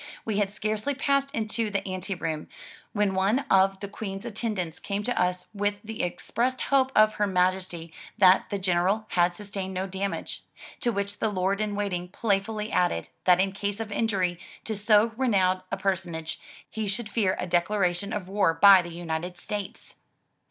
We had scarcely passed into the ante room, when one of the Queen's attendants came to us with the expressed hope of Her Majesty that the General had sustained no damage; to which the Lord in Waiting playfully added, that in case of injury to so renowned a personage, he should fear a declaration of war by the United States!